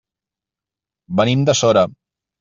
Venim de Sora.